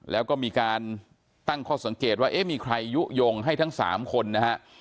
แล้วก็มีการตั้งข้อสังเกตว่าเอ๊ะมีใครยุโยงให้ทั้ง๓คนนะฮะ